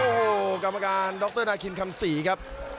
โอ้โหกรรมการดรนาคินคำศรีครับ